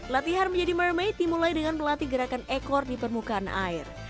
latihan menjadi mermaid dimulai dengan melatih gerakan ekor di permukaan air